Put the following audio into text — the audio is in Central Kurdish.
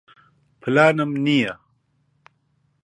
پلانم نییە.